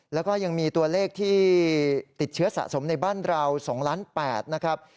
แล้วก็ยังมีตัวเลขที่ติดเชื้อสะสมในบ้านเรา๒ล้าน๘นะครับ